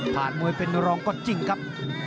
มวยเป็นรองก็จริงครับ